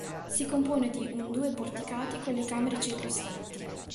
Si compone di un due porticati con le camere circostanti.